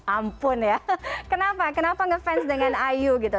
ampun ya kenapa kenapa ngefans dengan ayu gitu